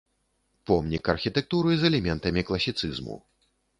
Помнік архітэктуры з элементамі класіцызму.